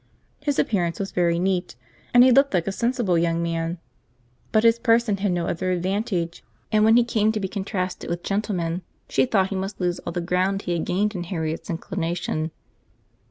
His appearance was very neat, and he looked like a sensible young man, but his person had no other advantage; and when he came to be contrasted with gentlemen, she thought he must lose all the ground he had gained in Harriet's inclination.